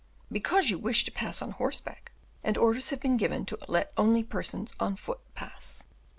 "Because you wish to pass on horseback, and orders have been given to let only persons on foot pass."